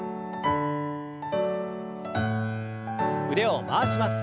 腕を回します。